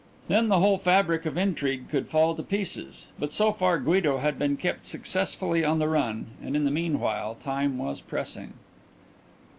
Then the whole fabric of intrigue could fall to pieces, but so far Guido had been kept successfully on the run and in the meanwhile time was pressing.